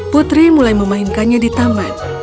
putri mulai memainkannya di taman